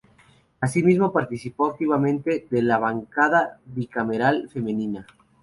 Asimismo participó activamente de la Bancada Bicameral Femenina.